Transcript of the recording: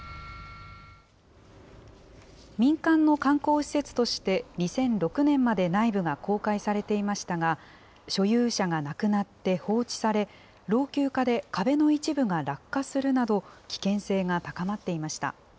民間の観光施設として、２００６年まで内部が公開されていましたが、所有者が亡くなって放置され、老朽化で壁の一部が落下するなど、危険性が高まっていました。